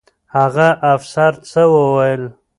هغه افسر څه وویل؟